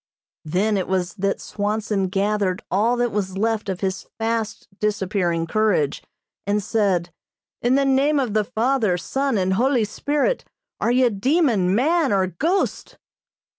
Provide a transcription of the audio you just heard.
Then it was that Swanson gathered all that was left of his fast disappearing courage, and said: "In the name of the Father, Son and Holy Spirit, are you demon, man or ghost?"